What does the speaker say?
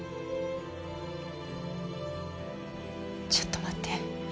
ちょっと待って。